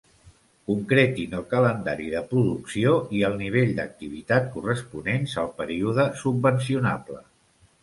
Concretin el calendari de producció i el nivell d'activitat corresponents al període subvencionable.